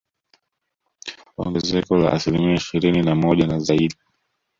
Ongezeko la asilimia ishirini na moja na zaidi